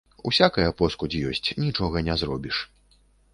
Усякая поскудзь ёсць, нічога не зробіш.